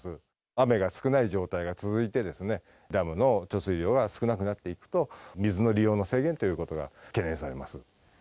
雨が少ない状態が続いて、ダムの貯水量が少なくなっていくと、水の利用の制限ということが懸念されます。